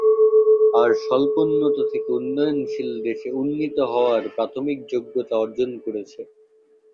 আর স্বল্পোন্নত থেকে উন্নয়নশীল দেশে উন্নীত হওয়ার প্রাথমিক যোগ্যতা অর্জন করেছে।